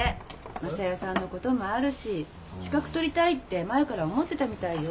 昌代さんのこともあるし資格取りたいって前から思ってたみたいよ。